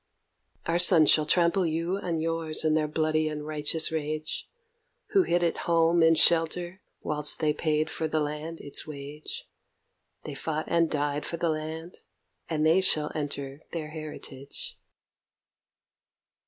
Our sons shall trample you and yours in their bloody and righteous rage, Who hid at home in shelter whilst they paid for the land its wage: They fought and died for the Land; and they shall enter their heritage.